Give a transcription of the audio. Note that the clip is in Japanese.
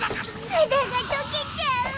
肌が溶けちゃう！